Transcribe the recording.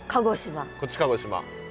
こっち鹿児島。